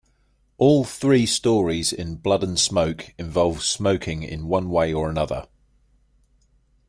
All three stories in "Blood and Smoke" involve smoking in one way or another.